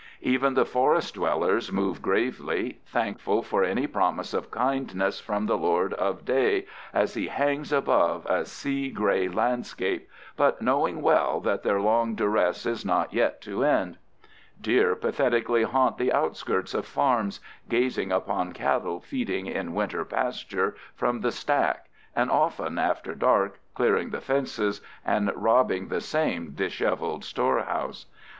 Even the forest dwellers move gravely, thankful for any promise of kindness from the lord of day as he hangs above a sea gray landscape, but knowing well that their long duress is not yet to end. Deer pathetically haunt the outskirts of farms, gazing upon cattle feeding in winter pasture from the stack, and often, after dark, clearing the fences and robbing the same disheveled storehouse.